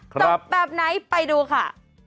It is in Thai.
จบแบบไหนไปดูค่ะ